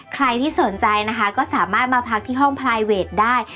ใครที่สนใจนะคะก็สามารถมาพักที่ห้องพลายเวทได้